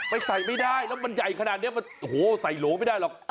ไปใส่ไม่ได้แล้วมันใหญ่ขนาดนี้มันโอ้โหใส่โหลไม่ได้หรอก